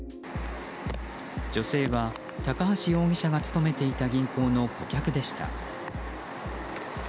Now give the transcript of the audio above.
女性は、高橋容疑者が勤めていた銀行の顧客でした。